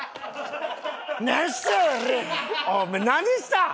お前何した？